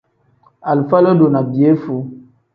Alifa lodo ni piyefuu.